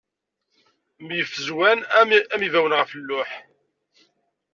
Mfezwan am yibawen ɣef lluḥ.